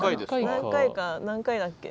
何回か何回だっけ？